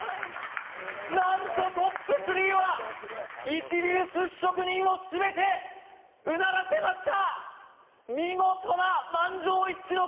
何とＴＯＰ３は一流寿司職人を全てうならせました！